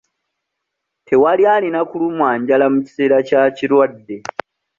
Tewali alina kulumwa njala mu kiseera kya kirwadde.